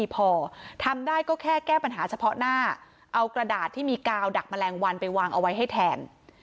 เพราะหน้าเอากระดาษที่มีกาวดักแมลงวันไปวางเอาไว้ให้แทน